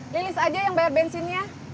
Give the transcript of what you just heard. rilis aja yang bayar bensinnya